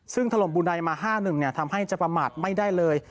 ซึ่งถล่มบุญใดมา๕๑ทำให้จะประมาทไม่ได้เลย